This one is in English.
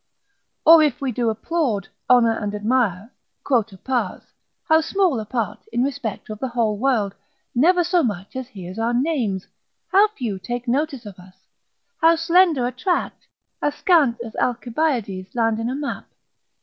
Or if we do applaud, honour and admire, quota pars, how small a part, in respect of the whole world, never so much as hears our names, how few take notice of us, how slender a tract, as scant as Alcibiades' land in a map!